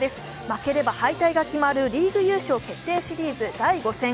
負ければ敗退が決まるリーグ優勝決定シリーズ第５戦。